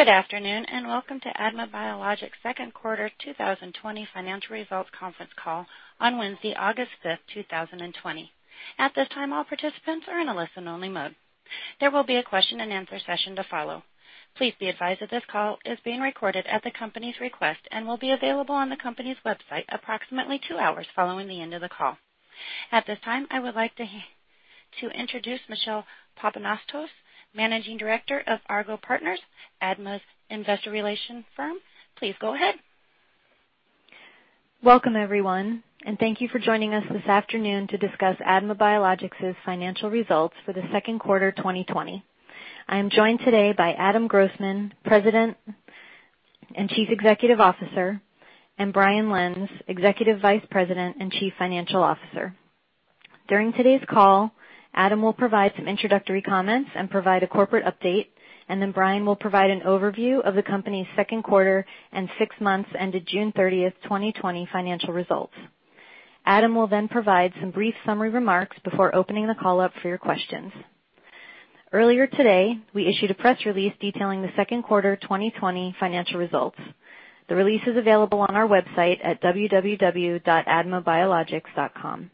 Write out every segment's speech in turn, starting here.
Good afternoon, and welcome to ADMA Biologics second quarter 2020 financial results conference call on Wednesday, August 5th, 2020. At this time, all participants are in a listen-only mode. There will be a question and answer session to follow. Please be advised that this call is being recorded at the company's request and will be available on the company's website approximately two hours following the end of the call. At this time, I would like to introduce Michelle Papanastos, Managing Director of Argot Partners, ADMA's investor relations firm. Please go ahead. Welcome, everyone, and thank you for joining us this afternoon to discuss ADMA Biologics' financial results for the second quarter 2020. I am joined today by Adam Grossman, President and Chief Executive Officer, and Brian Lenz, Executive Vice President and Chief Financial Officer. During today's call, Adam will provide some introductory comments and provide a corporate update, and then Brian will provide an overview of the company's second quarter and six months ended June 30th, 2020 financial results. Adam will then provide some brief summary remarks before opening the call up for your questions. Earlier today, we issued a press release detailing the second quarter 2020 financial results. The release is available on our website at www.admabiologics.com.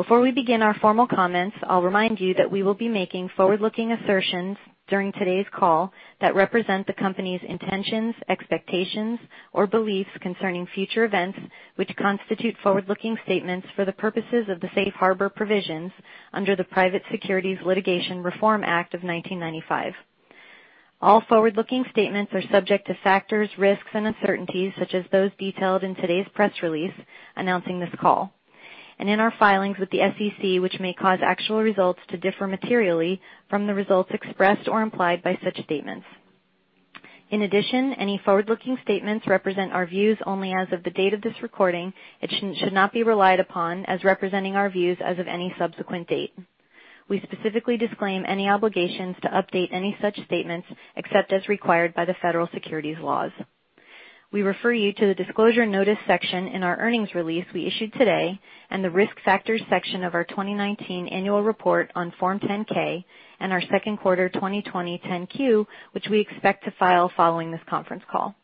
Before we begin our formal comments, I'll remind you that we will be making forward-looking assertions during today's call that represent the company's intentions, expectations, or beliefs concerning future events which constitute forward-looking statements for the purposes of the safe harbor provisions under the Private Securities Litigation Reform Act of 1995. All forward-looking statements are subject to factors, risks, and uncertainties, such as those detailed in today's press release announcing this call and in our filings with the SEC, which may cause actual results to differ materially from the results expressed or implied by such statements. In addition, any forward-looking statements represent our views only as of the date of this recording and should not be relied upon as representing our views as of any subsequent date. We specifically disclaim any obligations to update any such statements, except as required by the federal securities laws. We refer you to the Disclosure Notice section in our earnings release we issued today and the Risk Factors section of our 2019 annual report on Form 10-K and our second quarter 2020 10-Q, which we expect to file following this conference call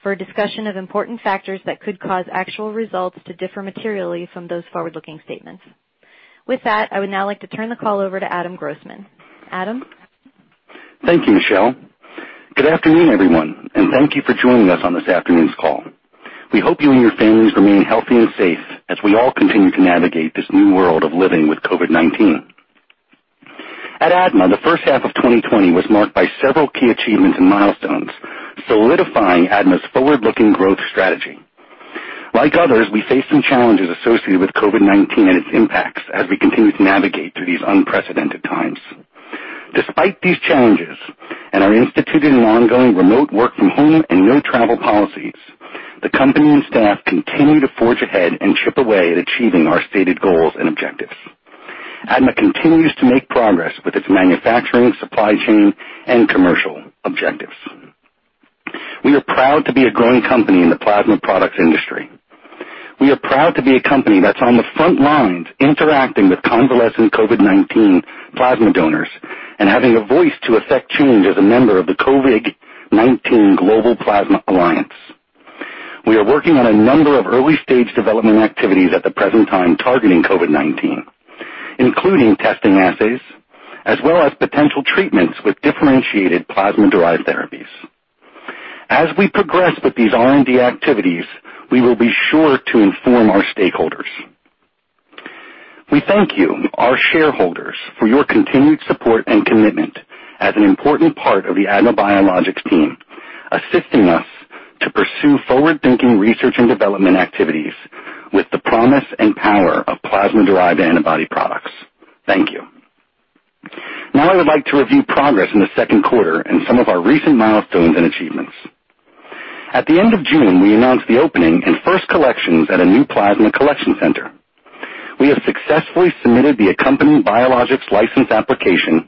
for a discussion of important factors that could cause actual results to differ materially from those forward-looking statements. With that, I would now like to turn the call over to Adam Grossman. Adam? Thank you, Michelle. Good afternoon, everyone, and thank you for joining us on this afternoon's call. We hope you and your families remain healthy and safe as we all continue to navigate this new world of living with COVID-19. At ADMA, the first half of 2020 was marked by several key achievements and milestones, solidifying ADMA's forward-looking growth strategy. Like others, we face some challenges associated with COVID-19 and its impacts as we continue to navigate through these unprecedented times. Despite these challenges and our instituting ongoing remote work from home and no travel policies, the company and staff continue to forge ahead and chip away at achieving our stated goals and objectives. ADMA continues to make progress with its manufacturing, supply chain, and commercial objectives. We are proud to be a growing company in the plasma products industry. We are proud to be a company that's on the front lines interacting with convalescent COVID-19 plasma donors and having a voice to affect change as a member of the CoVIg-19 Plasma Alliance. We are working on a number of early-stage development activities at the present time targeting COVID-19, including testing assays, as well as potential treatments with differentiated plasma-derived therapies. As we progress with these R&D activities, we will be sure to inform our stakeholders. We thank you, our shareholders, for your continued support and commitment as an important part of the ADMA Biologics team, assisting us to pursue forward-thinking research and development activities with the promise and power of plasma-derived antibody products. Thank you. Now, I would like to review progress in the second quarter and some of our recent milestones and achievements. At the end of June, we announced the opening and first collections at a new plasma collection center. We have successfully submitted the accompanying Biologics License Application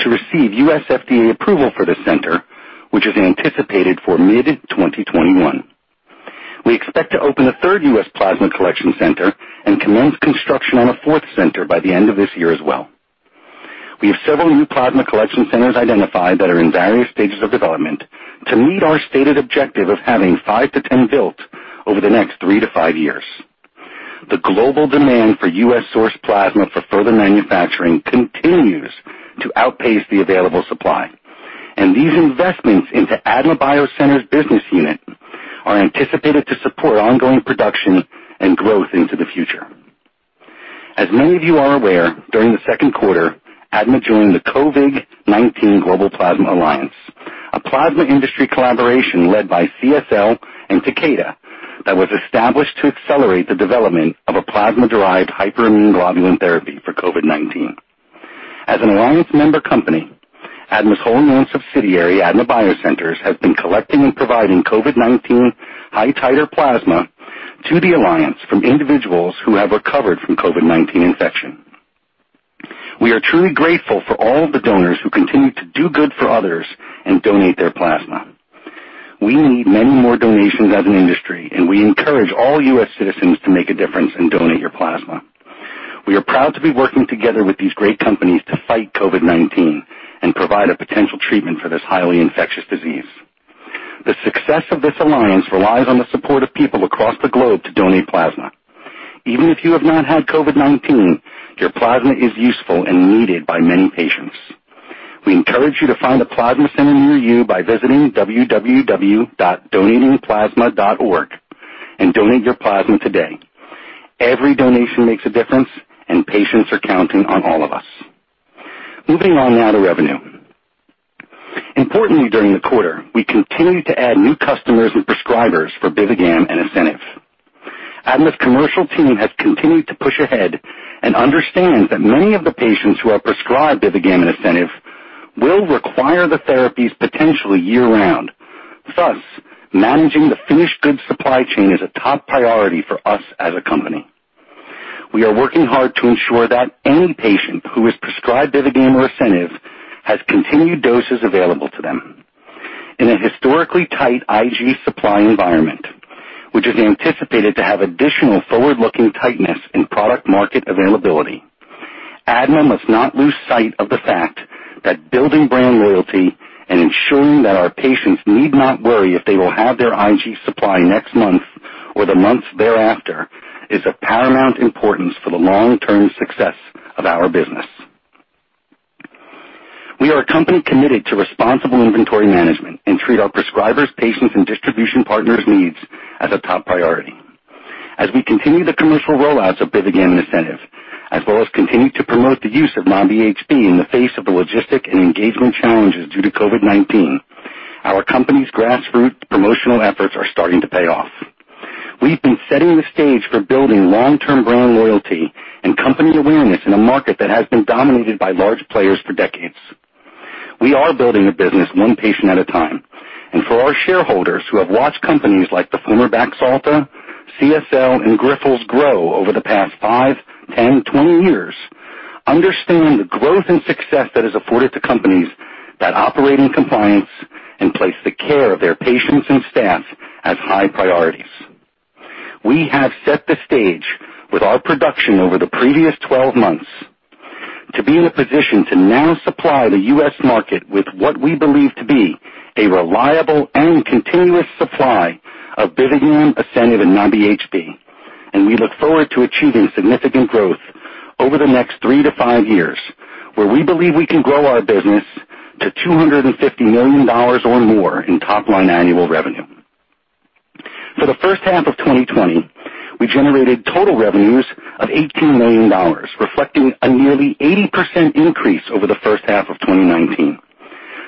to receive U.S. FDA approval for this center, which is anticipated for mid-2021. We expect to open a third U.S. plasma collection center and commence construction on a fourth center by the end of this year as well. We have several new plasma collection centers identified that are in various stages of development to meet our stated objective of having five to 10 built over the next three to five years. The global demand for U.S.-sourced plasma for further manufacturing continues to outpace the available supply, and these investments into ADMA BioCenters business unit are anticipated to support ongoing production and growth into the future. As many of you are aware, during the second quarter, ADMA joined the CoVIg-19 Global Plasma Alliance, a plasma industry collaboration led by CSL and Takeda that was established to accelerate the development of a plasma-derived hyperimmune globulin therapy for COVID-19. As an alliance member company, ADMA's wholly owned subsidiary, ADMA BioCenters, has been collecting and providing COVID-19 high-titer plasma to the alliance from individuals who have recovered from COVID-19 infection. We are truly grateful for all the donors who continue to do good for others and donate their plasma. We need many more donations as an industry, and we encourage all U.S. citizens to make a difference and donate your plasma. We are proud to be working together with these great companies to fight COVID-19 and provide a potential treatment for this highly infectious disease. The success of this alliance relies on the support of people across the globe to donate plasma. Even if you have not had COVID-19, your plasma is useful and needed by many patients. We encourage you to find a plasma center near you by visiting www.donatingplasma.org and donate your plasma today. Every donation makes a difference, and patients are counting on all of us. Moving on now to revenue. Importantly, during the quarter, we continued to add new customers and prescribers for BIVIGAM and ASCENIV. ADMA's commercial team has continued to push ahead and understands that many of the patients who are prescribed BIVIGAM and ASCENIV will require the therapies potentially year-round. Thus, managing the finished goods supply chain is a top priority for us as a company. We are working hard to ensure that any patient who is prescribed BIVIGAM or ASCENIV has continued doses available to them. In a historically tight IG supply environment, which is anticipated to have additional forward-looking tightness in product market availability, ADMA must not lose sight of the fact that building brand loyalty and ensuring that our patients need not worry if they will have their IG supply next month or the months thereafter is of paramount importance for the long-term success of our business. We are a company committed to responsible inventory management and treat our prescribers, patients, and distribution partners' needs as a top priority. As we continue the commercial roll-outs of BIVIGAM and ASCENIV, as well as continue to promote the use of Nabi-HB in the face of the logistic and engagement challenges due to COVID-19, our company's grassroots promotional efforts are starting to pay off. We've been setting the stage for building long-term brand loyalty and company awareness in a market that has been dominated by large players for decades. We are building a business one patient at a time, and for our shareholders who have watched companies like the former Baxalta, CSL, and Grifols grow over the past five, 10, 20 years understand the growth and success that is afforded to companies that operate in compliance and place the care of their patients and staff as high priorities. We have set the stage with our production over the previous 12 months to be in a position to now supply the U.S. market with what we believe to be a reliable and continuous supply of BIVIGAM, ASCENIV, and Nabi-HB. We look forward to achieving significant growth over the next 3 to 5 years, where we believe we can grow our business to $250 million or more in top-line annual revenue. For the first half of 2020, we generated total revenues of $18 million, reflecting a nearly 80% increase over the first half of 2019.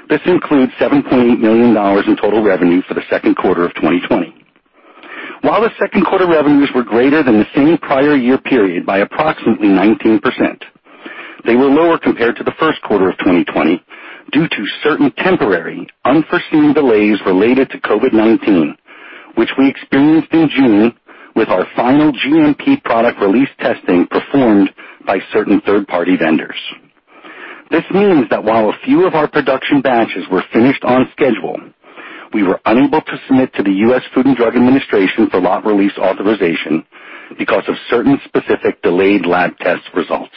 This includes $7.8 million in total revenue for the second quarter of 2020. While the second quarter revenues were greater than the same prior year period by approximately 19%, they were lower compared to the first quarter of 2020 due to certain temporary unforeseen delays related to COVID-19, which we experienced in June with our final GMP product release testing performed by certain third-party vendors. This means that while a few of our production batches were finished on schedule, we were unable to submit to the U.S. Food and Drug Administration for lot release authorization because of certain specific delayed lab test results.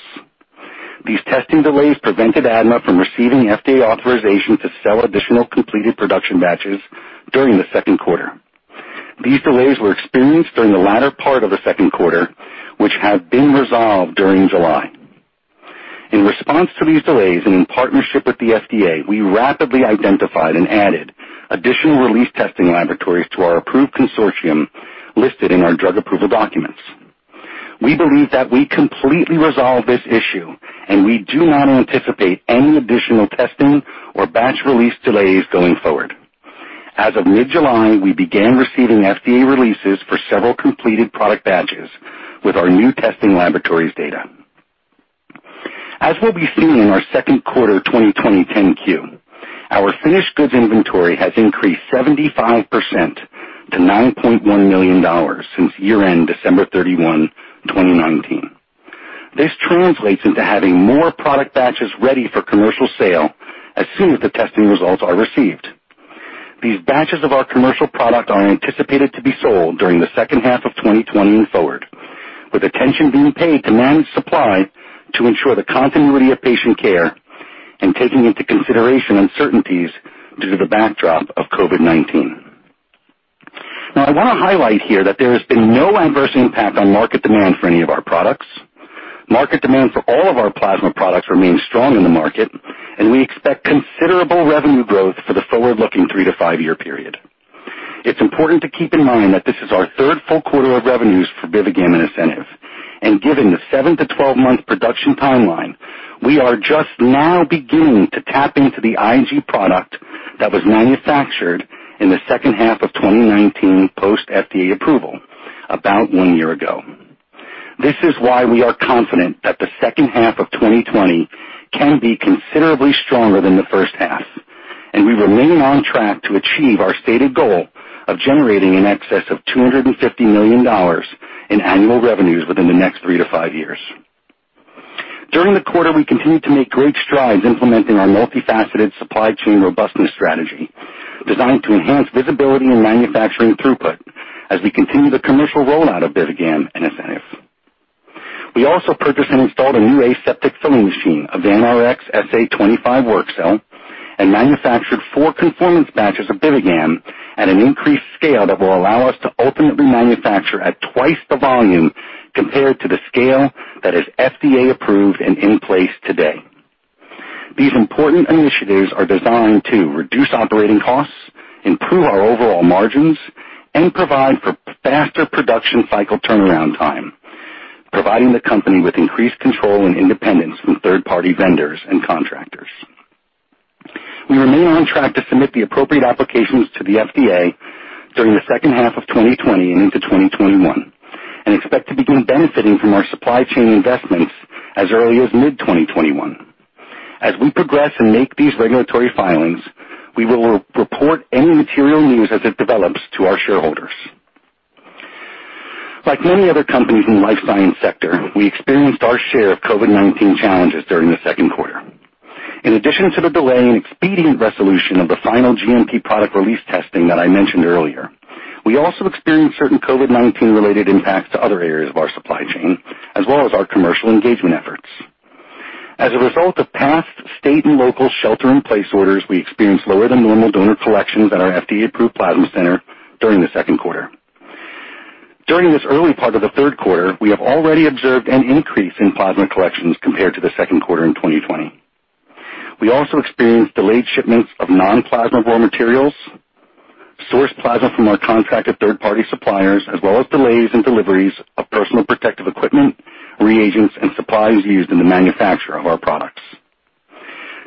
These testing delays prevented ADMA from receiving FDA authorization to sell additional completed production batches during the second quarter. These delays were experienced during the latter part of the second quarter, which have been resolved during July. In response to these delays and in partnership with the FDA, we rapidly identified and added additional release testing laboratories to our approved consortium listed in our drug approval documents. We believe that we completely resolved this issue, and we do not anticipate any additional testing or batch release delays going forward. As of mid-July, we began receiving FDA releases for several completed product batches with our new testing laboratories data. As will be seen in our second quarter 2020 10-Q, our finished goods inventory has increased 75% to $9.1 million since year-end December 31, 2019. This translates into having more product batches ready for commercial sale as soon as the testing results are received. These batches of our commercial product are anticipated to be sold during the second half of 2020 and forward, with attention being paid to manage supply to ensure the continuity of patient care and taking into consideration uncertainties due to the backdrop of COVID-19. Now, I want to highlight here that there has been no adverse impact on market demand for any of our products. Market demand for all of our plasma products remains strong in the market, and we expect considerable revenue growth for the forward-looking three to five-year period. It's important to keep in mind that this is our third full quarter of revenues for BIVIGAM and ASCENIV, and given the seven to 12-month production timeline, we are just now beginning to tap into the IG product that was manufactured in the second half of 2019 post FDA approval about one year ago. This is why we are confident that the second half of 2020 can be considerably stronger than the first half, and we remain on track to achieve our stated goal of generating in excess of $250 million in annual revenues within the next three to five years. During the quarter, we continued to make great strides implementing our multifaceted supply chain robustness strategy, designed to enhance visibility and manufacturing throughput as we continue the commercial rollout of BIVIGAM and ASCENIV. We also purchased and installed a new aseptic filling machine, a Vanrx SA25 work cell, and manufactured four conformance batches of BIVIGAM at an increased scale that will allow us to ultimately manufacture at twice the volume compared to the scale that is FDA approved and in place today. These important initiatives are designed to reduce operating costs, improve our overall margins, and provide for faster production cycle turnaround time, providing the company with increased control and independence from third-party vendors and contractors. We remain on track to submit the appropriate applications to the FDA during the second half of 2020 and into 2021, and expect to begin benefiting from our supply chain investments as early as mid-2021. As we progress and make these regulatory filings, we will report any material news as it develops to our shareholders. Like many other companies in the life science sector, we experienced our share of COVID-19 challenges during the second quarter. In addition to the delay in expedient resolution of the final GMP product release testing that I mentioned earlier, we also experienced certain COVID-19 related impacts to other areas of our supply chain, as well as our commercial engagement efforts. As a result of past state and local shelter-in-place orders, we experienced lower than normal donor collections at our FDA-approved plasma center during the second quarter. During this early part of the third quarter, we have already observed an increase in plasma collections compared to the second quarter in 2020. We also experienced delayed shipments of non-plasma raw materials, sourced plasma from our contracted third-party suppliers, as well as delays in deliveries of personal protective equipment, reagents, and supplies used in the manufacture of our products.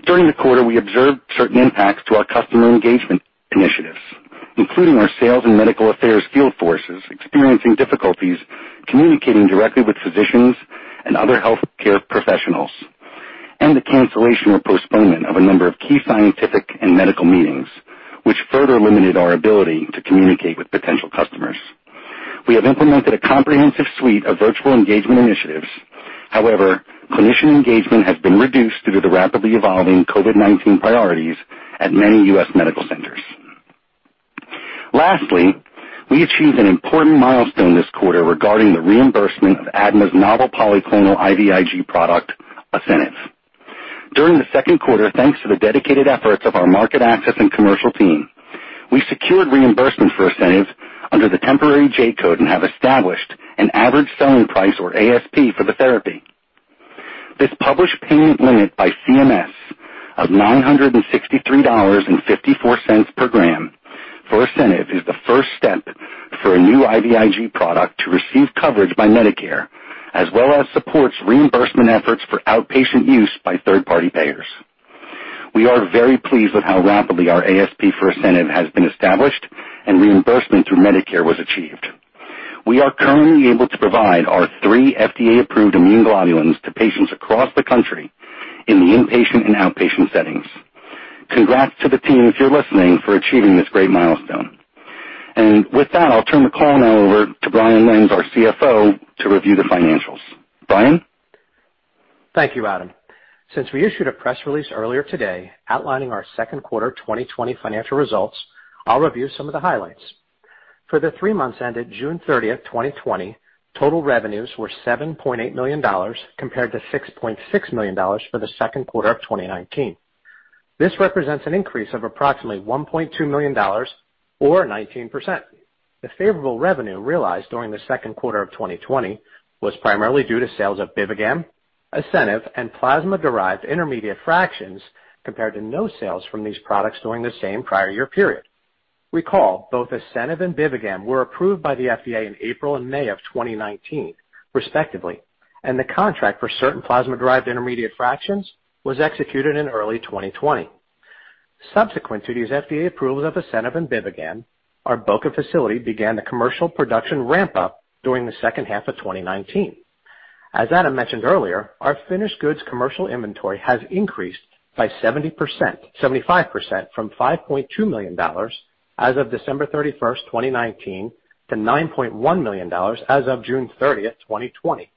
During the quarter, we observed certain impacts to our customer engagement initiatives, including our sales and medical affairs field forces experiencing difficulties communicating directly with physicians and other healthcare professionals, and the cancellation or postponement of a number of key scientific and medical meetings, which further limited our ability to communicate with potential customers. We have implemented a comprehensive suite of virtual engagement initiatives. However, clinician engagement has been reduced due to the rapidly evolving COVID-19 priorities at many U.S. medical centers. Lastly, we achieved an important milestone this quarter regarding the reimbursement of ADMA's novel polyclonal IVIG product, ASCENIV. During the second quarter, thanks to the dedicated efforts of our market access and commercial team, we secured reimbursement for ASCENIV under the temporary J-code and have established an average selling price, or ASP, for the therapy. This published payment limit by CMS of $963.54 per gram for ASCENIV is the first step for a new IVIG product to receive coverage by Medicare, as well as supports reimbursement efforts for outpatient use by third-party payers. We are very pleased with how rapidly our ASP for ASCENIV has been established and reimbursement through Medicare was achieved. We are currently able to provide our three FDA-approved immune globulins to patients across the country in the inpatient and outpatient settings. Congrats to the team, if you're listening, for achieving this great milestone. With that, I'll turn the call now over to Brian Lenz, our CFO, to review the financials. Brian? Thank you, Adam. Since we issued a press release earlier today outlining our second quarter 2020 financial results, I'll review some of the highlights. For the three months ended June 30th, 2020, total revenues were $7.8 million, compared to $6.6 million for the second quarter of 2019. This represents an increase of approximately $1.2 million, or 19%. The favorable revenue realized during the second quarter of 2020 was primarily due to sales of BIVIGAM, ASCENIV, and plasma-derived intermediate fractions, compared to no sales from these products during the same prior year period. Recall, both ASCENIV and BIVIGAM were approved by the FDA in April and May of 2019, respectively, and the contract for certain plasma-derived intermediate fractions was executed in early 2020. Subsequent to these FDA approvals of ASCENIV and BIVIGAM, our Boca facility began the commercial production ramp-up during the second half of 2019. As Adam mentioned earlier, our finished goods commercial inventory has increased by 75%, from $5.2 million as of December 31, 2019, to $9.1 million as of June 30, 2020.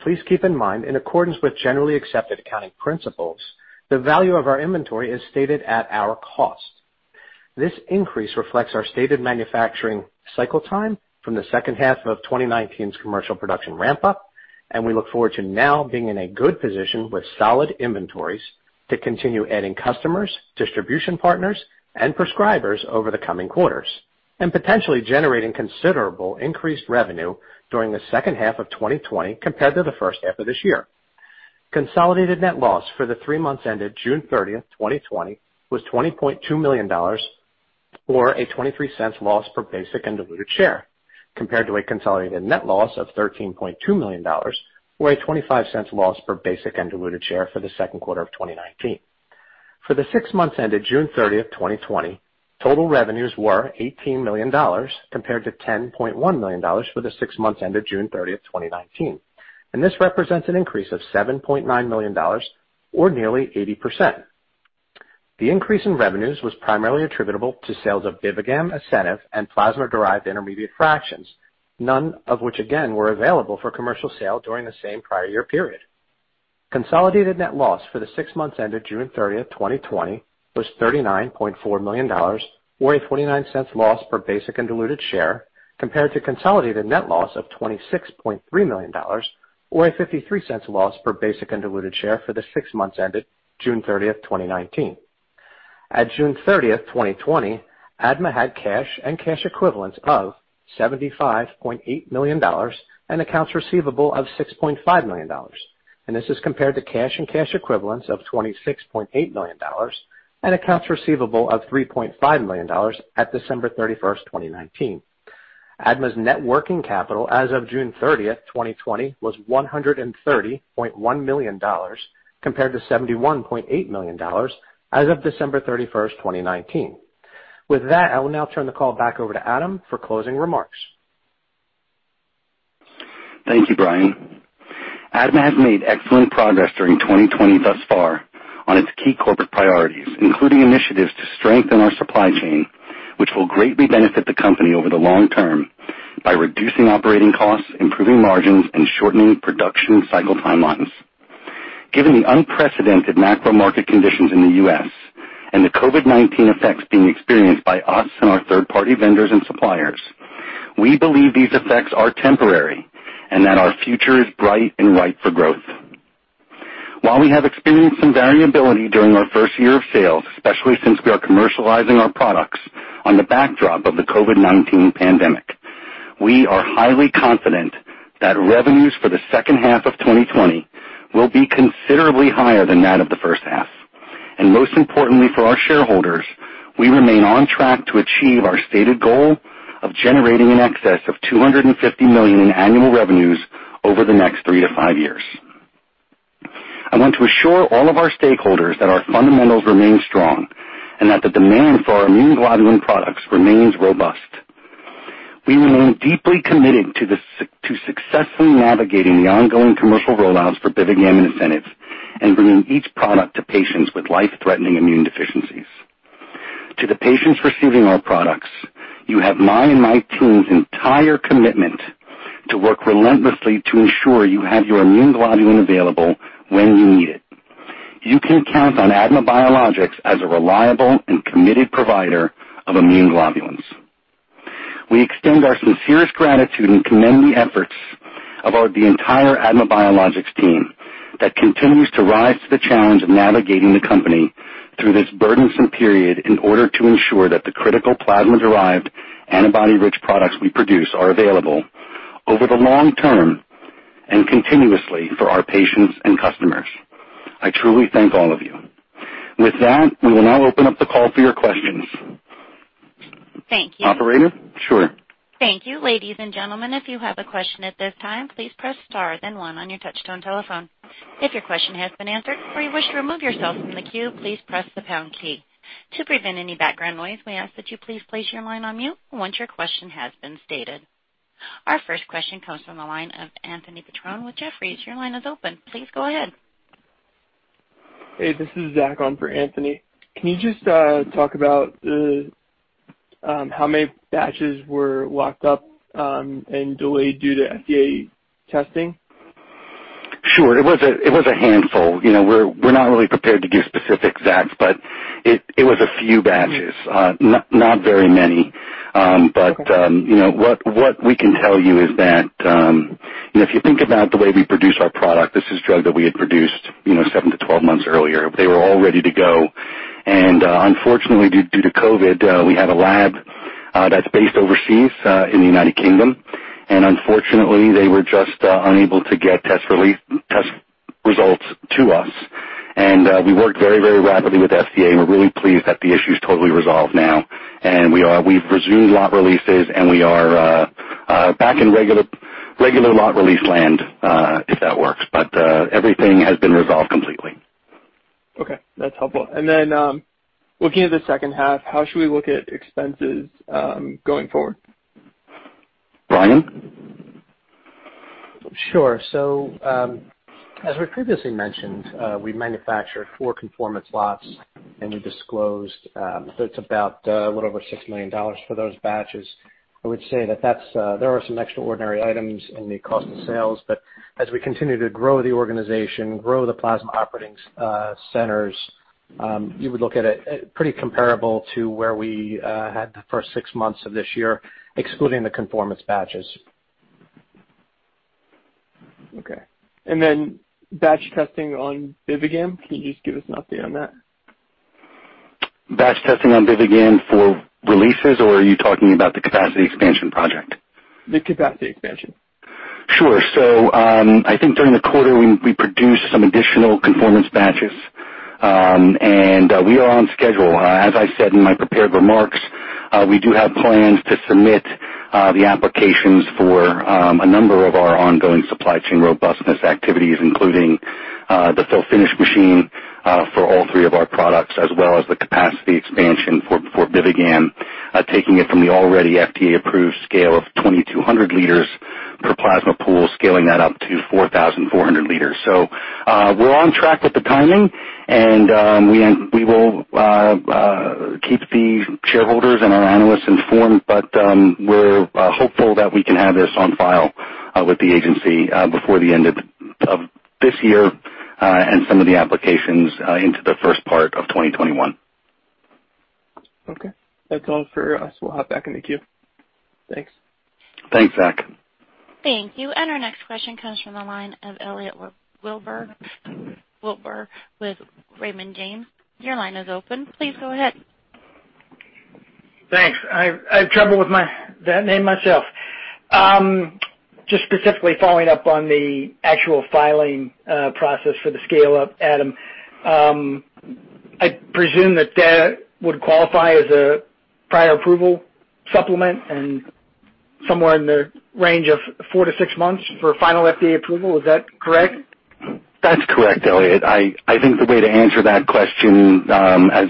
Please keep in mind, in accordance with generally accepted accounting principles, the value of our inventory is stated at our cost. This increase reflects our stated manufacturing cycle time from the second half of 2019's commercial production ramp-up, and we look forward to now being in a good position with solid inventories to continue adding customers, distribution partners, and prescribers over the coming quarters, and potentially generating considerable increased revenue during the second half of 2020 compared to the first half of this year. Consolidated net loss for the three months ended June 30, 2020, was $20.2 million, or a $0.23 loss per basic and diluted share, compared to a consolidated net loss of $13.2 million, or a $0.25 loss per basic and diluted share for the second quarter of 2019. For the six months ended June 30, 2020, total revenues were $18 million, compared to $10.1 million for the six months ended June 30, 2019. This represents an increase of $7.9 million, or nearly 80%. The increase in revenues was primarily attributable to sales of BIVIGAM, ASCENIV, and plasma-derived intermediate fractions, none of which again were available for commercial sale during the same prior year period. Consolidated net loss for the six months ended June 30th, 2020, was $39.4 million, or a $0.49 loss per basic and diluted share, compared to consolidated net loss of $26.3 million, or a $0.53 loss per basic and diluted share for the six months ended June 30th, 2019. At June 30th, 2020, ADMA had cash and cash equivalents of $75.8 million and accounts receivable of $6.5 million, and this is compared to cash and cash equivalents of $26.8 million and accounts receivable of $3.5 million at December 31st, 2019. ADMA's net working capital as of June 30th, 2020, was $130.1 million, compared to $71.8 million as of December 31st, 2019. With that, I will now turn the call back over to Adam for closing remarks. Thank you, Brian. ADMA has made excellent progress during 2020 thus far on its key corporate priorities, including initiatives to strengthen our supply chain, which will greatly benefit the company over the long term by reducing operating costs, improving margins, and shortening production cycle timelines. Given the unprecedented macro market conditions in the U.S. and the COVID-19 effects being experienced by us and our third-party vendors and suppliers, we believe these effects are temporary and that our future is bright and ripe for growth. While we have experienced some variability during our first year of sales, especially since we are commercializing our products on the backdrop of the COVID-19 pandemic, we are highly confident that revenues for the second half of 2020 will be considerably higher than that of the first half. Most importantly for our shareholders, we remain on track to achieve our stated goal of generating in excess of $250 million in annual revenues over the next three to five years. I want to assure all of our stakeholders that our fundamentals remain strong and that the demand for our immune globulin products remains robust. We remain deeply committed to successfully navigating the ongoing commercial rollouts for BIVIGAM and ASCENIV, and bringing each product to patients with life-threatening immune deficiencies. To the patients receiving our products, you have mine and my team's entire commitment to work relentlessly to ensure you have your immune globulin available when you need it. You can count on ADMA Biologics as a reliable and committed provider of immune globulins. We extend our sincerest gratitude and commend the efforts of the entire ADMA Biologics team that continues to rise to the challenge of navigating the company through this burdensome period in order to ensure that the critical plasma-derived antibody-rich products we produce are available over the long term and continuously for our patients and customers. I truly thank all of you. With that, we will now open up the call for your questions. Thank you. Operator? Sure. Thank you. Ladies and gentlemen, if you have a question at this time, please press star then 1 on your touchtone telephone. If your question has been answered or you wish to remove yourself from the queue, please press the pound key. To prevent any background noise, we ask that you please place your line on mute once your question has been stated. Our first question comes from the line of Anthony Petrone with Jefferies. Your line is open. Please go ahead. Hey, this is Zach on for Anthony. Can you just talk about how many batches were locked up and delayed due to FDA testing? Sure. It was a handful. We're not really prepared to give specifics, Zach, it was a few batches. Not very many. Okay. What we can tell you is that if you think about the way we produce our product, this is drug that we had produced seven to 12 months earlier. They were all ready to go, and unfortunately due to COVID, we had a lab that's based overseas in the United Kingdom, and unfortunately, they were just unable to get test results to us. We worked very rapidly with FDA, and we're really pleased that the issue's totally resolved now, and we've resumed lot releases, and we are back in regular lot release land, if that works. Everything has been resolved completely. Okay, that's helpful. Looking at the second half, how should we look at expenses going forward? Brian? Sure. As we previously mentioned, we manufactured four conformance lots, we disclosed that it's about a little over $6 million for those batches. I would say that there are some extraordinary items in the cost of sales. As we continue to grow the organization, grow the plasma operating centers, you would look at it pretty comparable to where we had the first six months of this year, excluding the conformance batches. Okay. Batch testing on BIVIGAM, can you just give us an update on that? Batch testing on BIVIGAM for releases, or are you talking about the capacity expansion project? The capacity expansion. Sure. I think during the quarter we produced some additional conformance batches, and we are on schedule. As I said in my prepared remarks, we do have plans to submit the applications for a number of our ongoing supply chain robustness activities, including the fill finish machine for all three of our products, as well as the capacity expansion for BIVIGAM, taking it from the already FDA-approved scale of 2,200 L per plasma pool, scaling that up to 4,400 L. We're on track with the timing, and we will keep the shareholders and our analysts informed. We're hopeful that we can have this on file with the agency before the end of this year, and some of the applications into the first part of 2021. Okay. That's all for us. We'll hop back in the queue. Thanks. Thanks, Zach. Thank you. Our next question comes from the line of Elliot Wilbur with Raymond James. Your line is open. Please go ahead. Thanks. I have trouble with that name myself. Just specifically following up on the actual filing process for the scale-up, Adam. I presume that that would qualify as a Prior Approval Supplement and somewhere in the range of four to six months for final FDA approval. Is that correct? That's correct, Elliot. I think the way to answer that question as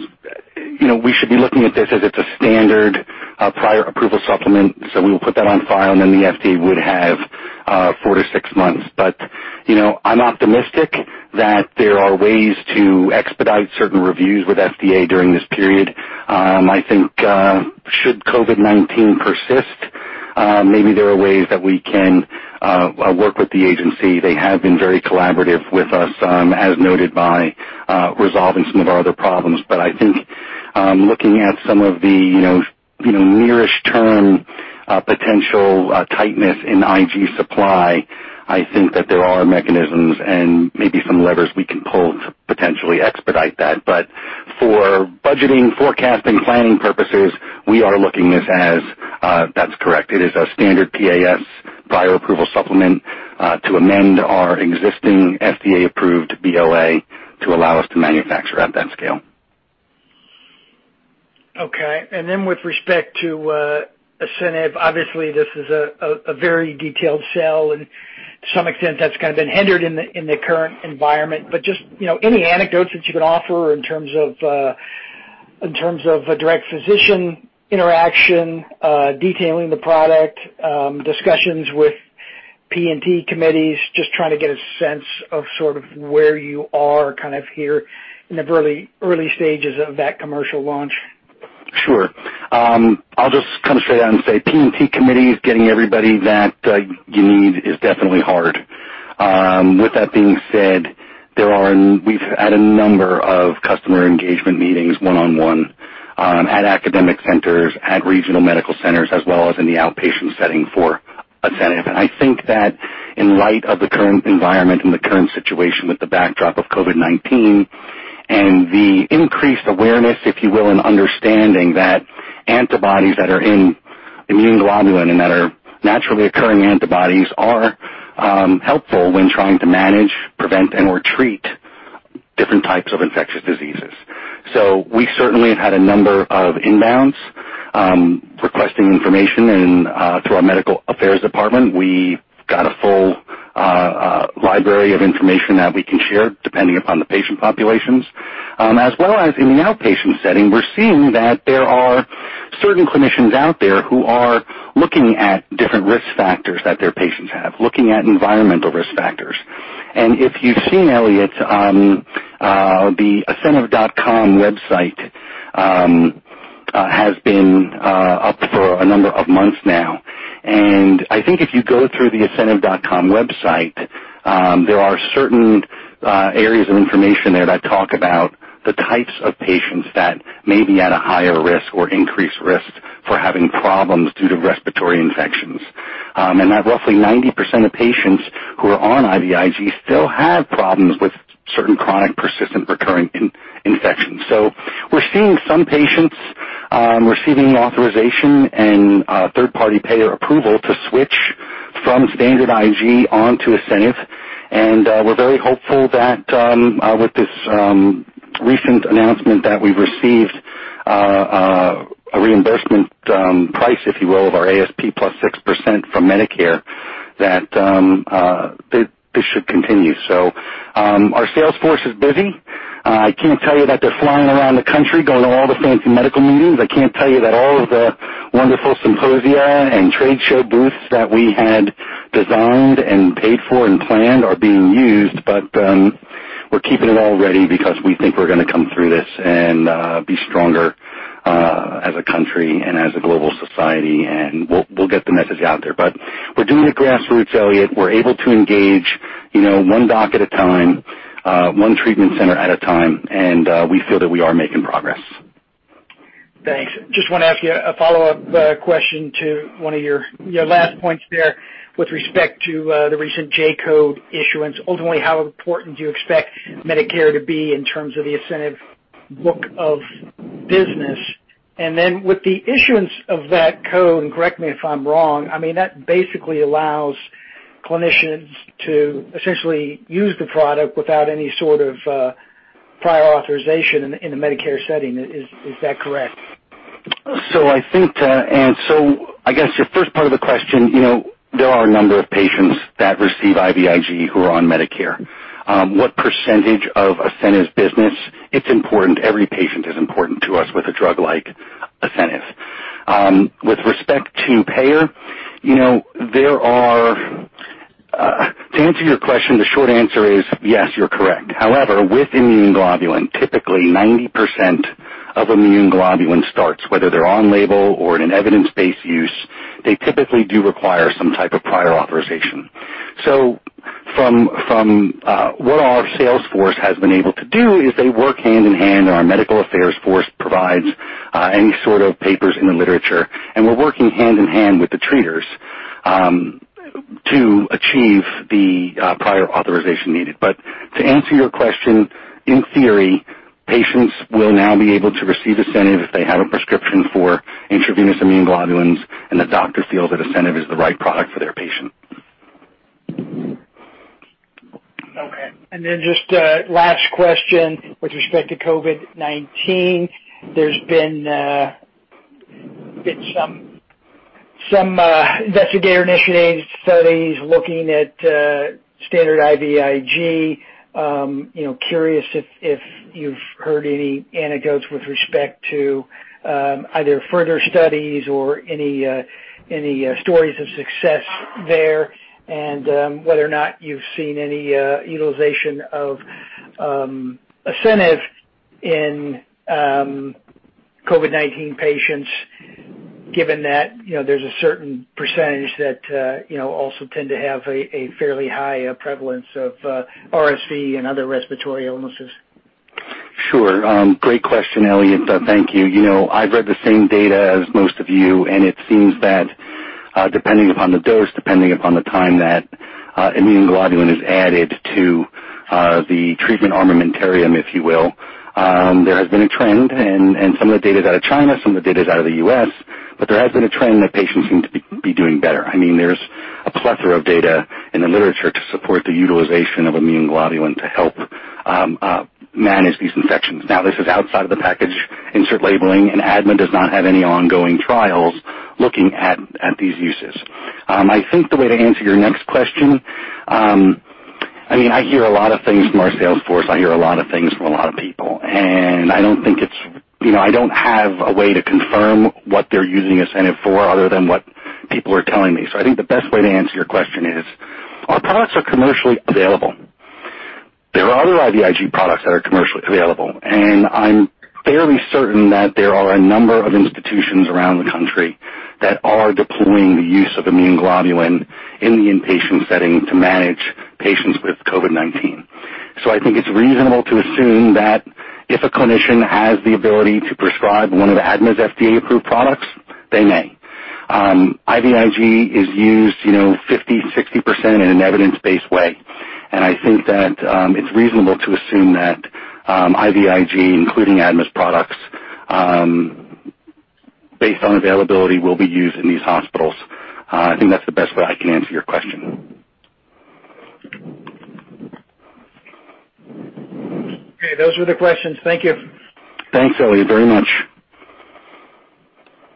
we should be looking at this as it's a standard prior approval supplement. We will put that on file, and then the FDA would have four to six months. I'm optimistic that there are ways to expedite certain reviews with FDA during this period. I think, should COVID-19 persist, maybe there are ways that we can work with the agency. They have been very collaborative with us, as noted by resolving some of our other problems. I think looking at some of the nearest term potential tightness in IG supply, I think that there are mechanisms and maybe some levers we can pull to potentially expedite that. For budgeting, forecasting, planning purposes, we are looking this as that's correct. It is a standard PAS, prior approval supplement, to amend our existing FDA-approved BLA to allow us to manufacture at that scale. Okay. Then with respect to ASCENIV, obviously this is a very detailed sell and to some extent that's kind of been hindered in the current environment. Just any anecdotes that you can offer in terms of a direct physician interaction, detailing the product, discussions with P&T committees, just trying to get a sense of sort of where you are kind of here in the early stages of that commercial launch. Sure. I'll just come straight out and say P&T committees, getting everybody that you need is definitely hard. With that being said, we've had a number of customer engagement meetings, one-on-one at academic centers, at regional medical centers, as well as in the outpatient setting for ASCENIV. I think that in light of the current environment and the current situation with the backdrop of COVID-19 and the increased awareness, if you will, and understanding that antibodies that are in immune globulin and that are naturally occurring antibodies are helpful when trying to manage, prevent, and/or treat different types of infectious diseases. We certainly have had a number of inbounds requesting information through our medical affairs department. We've got a full library of information that we can share depending upon the patient populations. As well as in the outpatient setting, we're seeing that there are certain clinicians out there who are looking at different risk factors that their patients have, looking at environmental risk factors. If you've seen, Elliot, the asceniv.com website has been up for a number of months now. I think if you go through the asceniv.com website, there are certain areas of information there that talk about the types of patients that may be at a higher risk or increased risk for having problems due to respiratory infections. That roughly 90% of patients who are on IVIG still have problems with certain chronic persistent recurring infections. We're seeing some patients receiving authorization and third-party payer approval to switch from standard IG onto ASCENIV. We're very hopeful that with this recent announcement that we've received a reimbursement price, if you will, of our ASP +6% from Medicare, that this should continue. Our sales force is busy. I can't tell you that they're flying around the country going to all the fancy medical meetings. I can't tell you that all of the wonderful symposia and trade show booths that we had designed and paid for and planned are being used. We're keeping it all ready because we think we're going to come through this and be stronger as a country and as a global society, and we'll get the message out there. We're doing it grassroots, Elliot. We're able to engage one doc at a time, one treatment center at a time, and we feel that we are making progress. Thanks. Just want to ask you a follow-up question to one of your last points there with respect to the recent J-code issuance. Ultimately, how important do you expect Medicare to be in terms of the ASCENIV book of business? With the issuance of that code, and correct me if I'm wrong, I mean, that basically allows clinicians to essentially use the product without any sort of prior authorization in the Medicare setting. Is that correct? I guess your first part of the question, there are a number of patients that receive IVIG who are on Medicare. What percentage of ASCENIV's business? It's important. Every patient is important to us with a drug like ASCENIV. With respect to payer, to answer your question, the short answer is yes, you're correct. However, with immune globulin, typically 90% of immune globulin starts, whether they're on label or in an evidence-based use, they typically do require some type of prior authorization. What our sales force has been able to do is they work hand in hand, and our medical affairs force provides any sort of papers in the literature, and we're working hand in hand with the treaters, to achieve the prior authorization needed. To answer your question, in theory, patients will now be able to receive ASCENIV if they have a prescription for intravenous immune globulins and the doctor feels that ASCENIV is the right product for their patient. Okay. Just a last question with respect to COVID-19. There's been some investigator-initiated studies looking at standard IVIG. Curious if you've heard any anecdotes with respect to either further studies or any stories of success there and whether or not you've seen any utilization of ASCENIV in COVID-19 patients, given that there's a certain percentage that also tend to have a fairly high prevalence of RSV and other respiratory illnesses. Sure. Great question, Elliot. Thank you. I've read the same data as most of you, it seems that, depending upon the dose, depending upon the time that immune globulin is added to the treatment armamentarium, if you will, there has been a trend. Some of the data is out of China, some of the data is out of the U.S., there has been a trend that patients seem to be doing better. There's a plethora of data in the literature to support the utilization of immune globulin to help manage these infections. Now, this is outside of the package insert labeling, ADMA does not have any ongoing trials looking at these uses. I think the way to answer your next question, I hear a lot of things from our sales force. I hear a lot of things from a lot of people. I don't have a way to confirm what they're using ASCENIV for other than what people are telling me. I think the best way to answer your question is our products are commercially available. There are other IVIG products that are commercially available, and I'm fairly certain that there are a number of institutions around the country that are deploying the use of immune globulin in the inpatient setting to manage patients with COVID-19. I think it's reasonable to assume that if a clinician has the ability to prescribe one of ADMA's FDA-approved products, they may. IVIG is used 50%, 60% in an evidence-based way, and I think that it's reasonable to assume that IVIG, including ADMA's products, based on availability, will be used in these hospitals. I think that's the best way I can answer your question. Okay. Those are the questions. Thank you. Thanks, Elliot. Very much.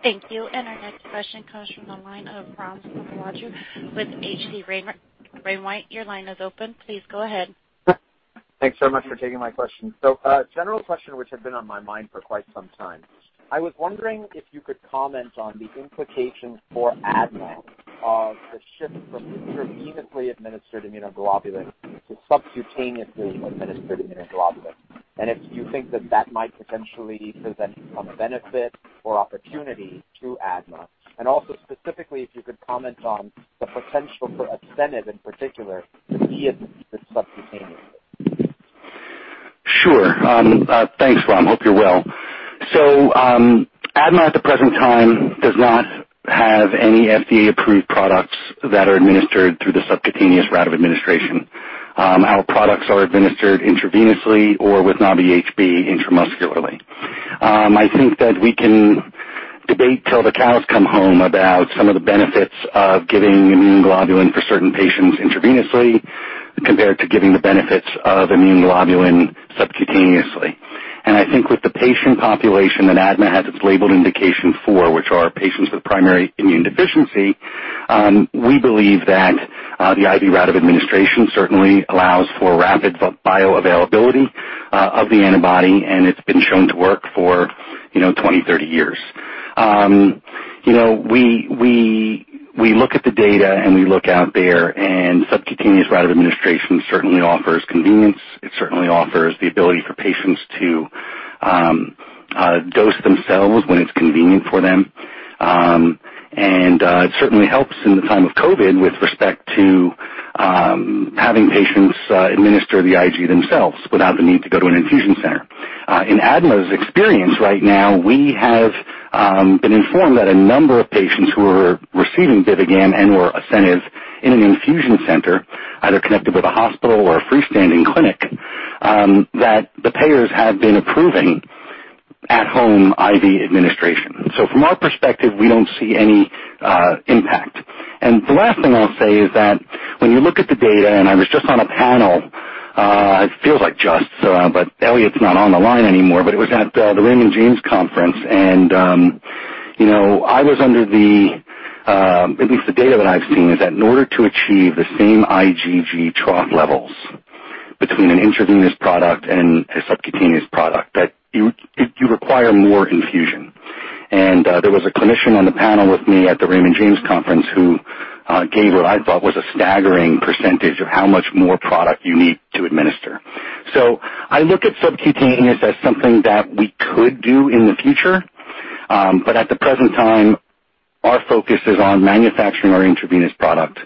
Thank you. Our next question comes from the line of Ram Selvaraju with H.C. Wainwright. Your line is open. Please go ahead. Thanks so much for taking my question. A general question which had been on my mind for quite some time. I was wondering if you could comment on the implications for ADMA of the shift from intravenously administered immunoglobulin to subcutaneously administered immunoglobulin, and if you think that that might potentially present a benefit or opportunity to ADMA. Also, specifically, if you could comment on the potential for ASCENIV in particular to be administered subcutaneously. Sure. Thanks, Ram. Hope you're well. ADMA at the present time does not have any FDA-approved products that are administered through the subcutaneous route of administration. Our products are administered intravenously or with Nabi-HB intramuscularly. I think that we can debate till the cows come home about some of the benefits of giving immune globulin for certain patients intravenously compared to giving the benefits of immune globulin subcutaneously. I think with the patient population that ADMA has its labeled indication for, which are patients with primary immune deficiency, we believe that the IV route of administration certainly allows for rapid bioavailability of the antibody, and it's been shown to work for 20, 30 years. We look at the data, and we look out there, subcutaneous route of administration certainly offers convenience. It certainly offers the ability for patients to dose themselves when it's convenient for them. It certainly helps in the time of COVID-19 with respect to having patients administer the IG themselves without the need to go to an infusion center. In ADMA's experience right now, we have been informed that a number of patients who are receiving BIVIGAM and/or ASCENIV in an infusion center, either connected with a hospital or a freestanding clinic, that the payers have been approving at-home IV administration. From our perspective, we don't see any impact. The last thing I'll say is that when you look at the data, and I was just on a panel, it feels like just Elliot's not on the line anymore, but it was at the Raymond James Conference. I was under, at least the data that I've seen is that in order to achieve the same IgG trough levels between an intravenous product and a subcutaneous product, that you require more infusion. There was a clinician on the panel with me at the Raymond James Conference who gave what I thought was a staggering percentage of how much more product you need to administer. I look at subcutaneous as something that we could do in the future. At the present time, our focus is on manufacturing our intravenous product,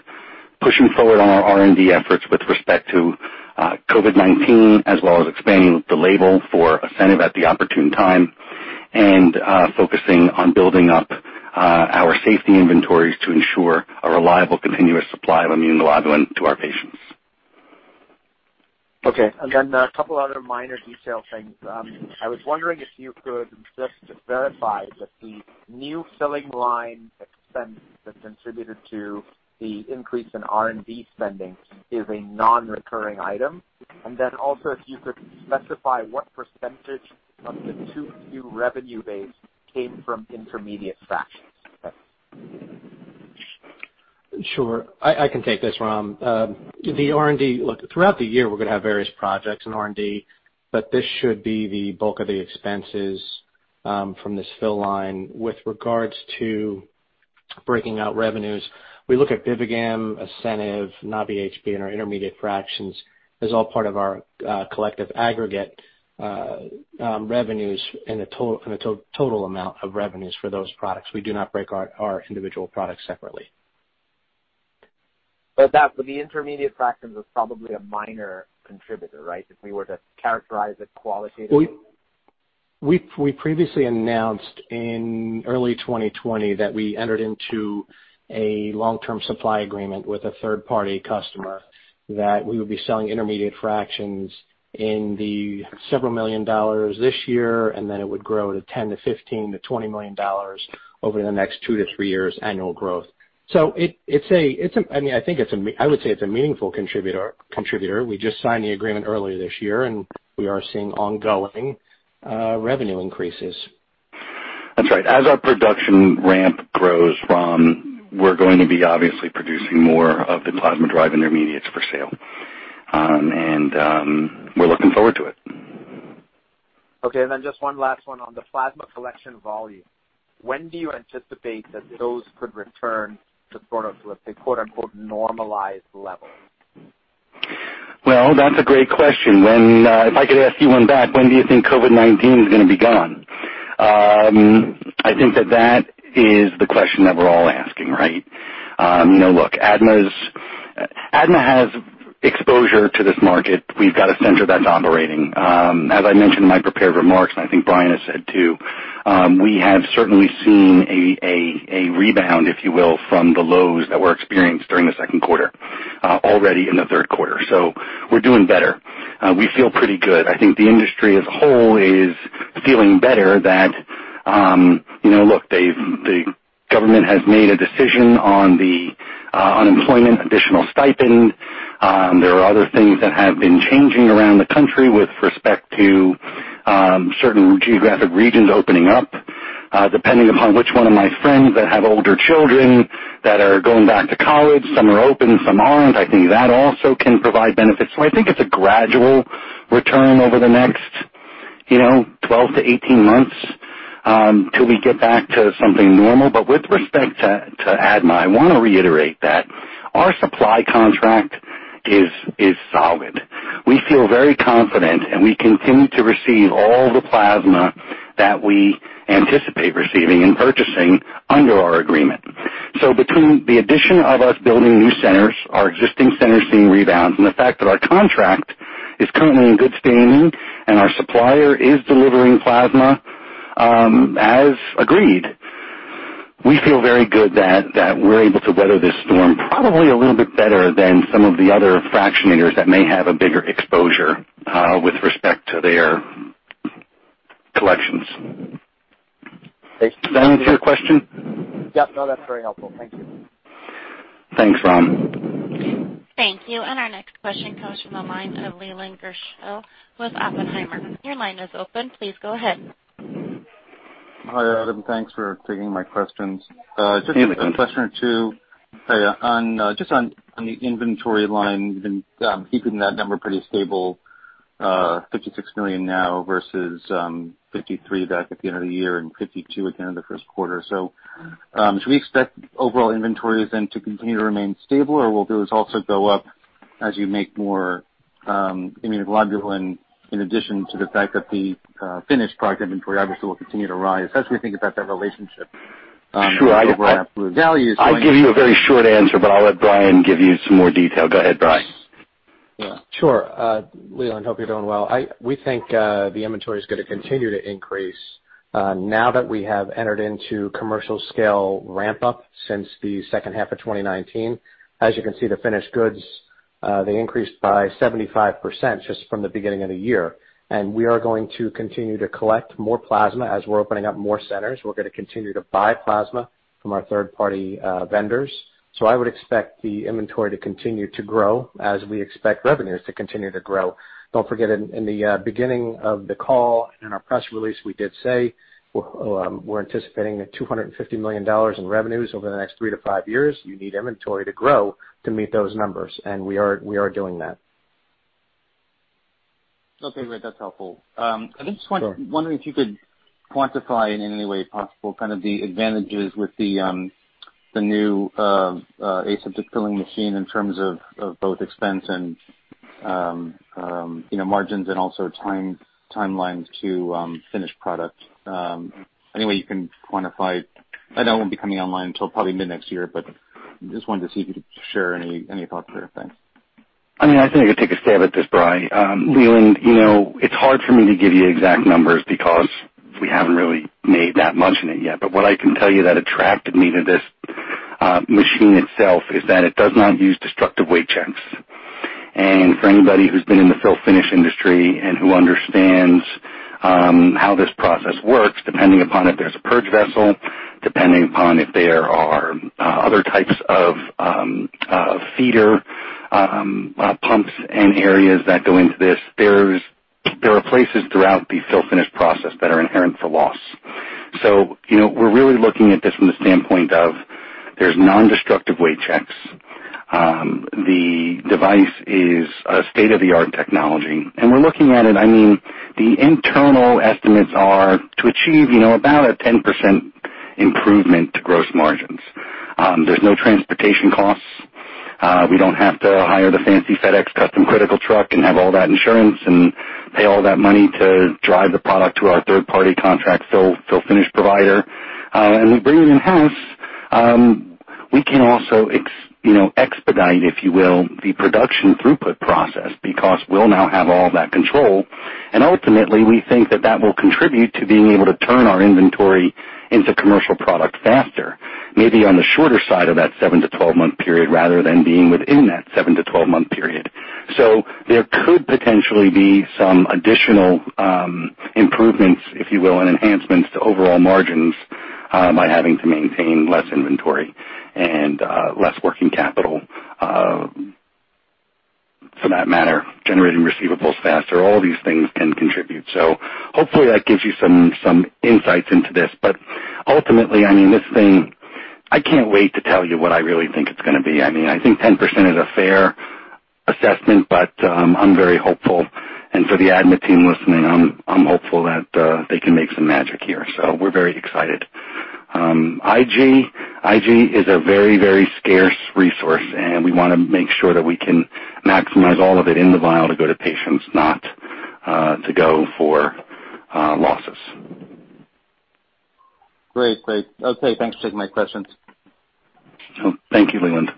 pushing forward on our R&D efforts with respect to COVID-19, as well as expanding the label for ASCENIV at the opportune time, and focusing on building up our safety inventories to ensure a reliable, continuous supply of immunoglobulin to our patients. Okay. A couple other minor detail things. I was wondering if you could just verify that the new filling line expense that contributed to the increase in R&D spending is a non-recurring item. If you could specify what % of the 2Q revenue base came from intermediate fractions. Sure. I can take this, Ram. Look, throughout the year, we're going to have various projects in R&D, but this should be the bulk of the expenses from this fill line. With regards to breaking out revenues, we look at BIVIGAM, ASCENIV, Nabi-HB, and our intermediate fractions as all part of our collective aggregate revenues and the total amount of revenues for those products. We do not break our individual products separately. The intermediate fractions was probably a minor contributor, right? If we were to characterize it qualitatively. We previously announced in early 2020 that we entered into a long-term supply agreement with a third-party customer that we would be selling intermediate fractions in the several million dollars this year, and then it would grow to $10 to $15 to $20 million over the next two to three years annual growth. I would say it's a meaningful contributor. We just signed the agreement earlier this year, and we are seeing ongoing revenue increases. That's right. As our production ramp grows, Ram, we're going to be obviously producing more of the plasma-derived intermediates for sale. We're looking forward to it. Okay. Just one last one on the plasma collection volume. When do you anticipate that those could return to sort of a quote-unquote "normalized level? Well, that's a great question. If I could ask you one back, when do you think COVID-19 is going to be gone? I think that that is the question that we're all asking, right? Look, ADMA has exposure to this market. We've got a center that's operating. As I mentioned in my prepared remarks, and I think Brian has said, too, we have certainly seen a rebound, if you will, from the lows that were experienced during the second quarter already in the third quarter. We're doing better. We feel pretty good. I think the industry as a whole is feeling better that the government has made a decision on the unemployment additional stipend. There are other things that have been changing around the country with respect to certain geographic regions opening up, depending upon which one of my friends that have older children that are going back to college, some are open, some aren't. I think that also can provide benefits. I think it's a gradual return over the next 12-18 months till we get back to something normal. With respect to ADMA, I want to reiterate that our supply contract is solid. We feel very confident, and we continue to receive all the plasma that we anticipate receiving and purchasing under our agreement. Between the addition of us building new centers, our existing centers seeing rebounds, and the fact that our contract is currently in good standing and our supplier is delivering plasma as agreed, we feel very good that we're able to weather this storm probably a little bit better than some of the other fractionators that may have a bigger exposure with respect to their collections. Thanks. Does that answer your question? Yep. No, that's very helpful. Thank you. Thanks, Ram. Thank you. Our next question comes from the line of Leland Gershell with Oppenheimer. Your line is open. Please go ahead. Hi, Adam. Thanks for taking my questions. You're welcome. Just a question or two. Just on the inventory line, you've been keeping that number pretty stable, $56 million now versus $53 back at the end of the year and $52 again in the first quarter. Should we expect overall inventories then to continue to remain stable, or will those also go up as you make more immunoglobulin, in addition to the fact that the finished product inventory obviously will continue to rise as we think about that relationship? Sure. Over absolute values. I'll give you a very short answer, but I'll let Brian give you some more detail. Go ahead, Brian. Sure. Leland, hope you're doing well. We think the inventory is going to continue to increase now that we have entered into commercial scale ramp-up since the second half of 2019. As you can see, the finished goods. They increased by 75% just from the beginning of the year. We are going to continue to collect more plasma as we're opening up more centers. We're going to continue to buy plasma from our third-party vendors. I would expect the inventory to continue to grow as we expect revenues to continue to grow. Don't forget, in the beginning of the call and in our press release, we did say we're anticipating that $250 million in revenues over the next three to five years, you need inventory to grow to meet those numbers, and we are doing that. Okay, great. That's helpful. Sure. I'm just wondering if you could quantify in any way possible the advantages with the new aseptic filling machine in terms of both expense and margins and also timelines to finished product. Any way you can quantify. I know it won't be coming online until probably mid-next year, but just wanted to see if you could share any thoughts there. Thanks. I think I could take a stab at this, Brian. Leland, it's hard for me to give you exact numbers because we haven't really made that much in it yet. What I can tell you that attracted me to this machine itself is that it does not use destructive weight checks. For anybody who's been in the fill finish industry and who understands how this process works, depending upon if there's a purge vessel, depending upon if there are other types of feeder pumps and areas that go into this, there are places throughout the fill finish process that are inherent for loss. We're really looking at this from the standpoint of there's non-destructive weight checks. The device is a state-of-the-art technology. We're looking at it, the internal estimates are to achieve about a 10% improvement to gross margins. There's no transportation costs. We don't have to hire the fancy FedEx Custom Critical truck and have all that insurance and pay all that money to drive the product to our third party contract fill finish provider. We bring it in-house, we can also expedite, if you will, the production throughput process because we'll now have all that control. Ultimately, we think that that will contribute to being able to turn our inventory into commercial product faster, maybe on the shorter side of that 7-12 month period rather than being within that 7-12 month period. There could potentially be some additional improvements, if you will, and enhancements to overall margins by having to maintain less inventory and less working capital. For that matter, generating receivables faster, all these things can contribute. Hopefully that gives you some insights into this. Ultimately, this thing, I can't wait to tell you what I really think it's going to be. I think 10% is a fair assessment, but I'm very hopeful. For the ADMA team listening, I'm hopeful that they can make some magic here. We're very excited. IG is a very, very scarce resource, and we want to make sure that we can maximize all of it in the vial to go to patients, not to go for losses. Great. Okay. Thanks for taking my questions. Thank you, Leland.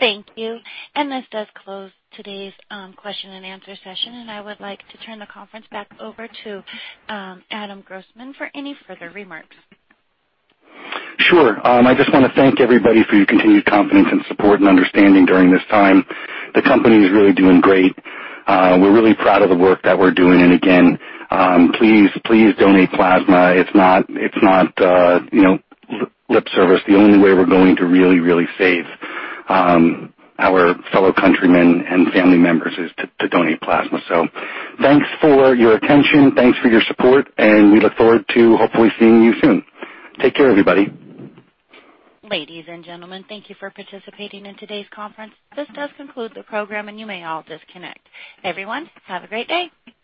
Thank you. This does close today's question and answer session, and I would like to turn the conference back over to Adam Grossman for any further remarks. Sure. I just want to thank everybody for your continued confidence and support and understanding during this time. The company is really doing great. We're really proud of the work that we're doing. Again, please donate plasma. It's not lip service. The only way we're going to really save our fellow countrymen and family members is to donate plasma. Thanks for your attention. Thanks for your support, and we look forward to hopefully seeing you soon. Take care, everybody. Ladies and gentlemen, thank you for participating in today's conference. This does conclude the program, and you may all disconnect. Everyone, have a great day.